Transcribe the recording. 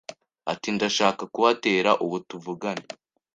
Ati “Ndashaka kuhatera ubu tuvugana”.